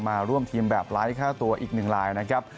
มาร่วมทีมแบบไร้ค่าตัวอีกหนึ่งลายนะครับ